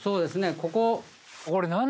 ここ。